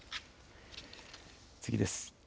次です。